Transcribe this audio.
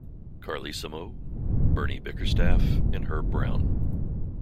Carlesimo, Bernie Bickerstaff and Herb Brown.